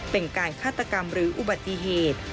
เป็นการฆาตกรรมหรืออุบัติเหตุ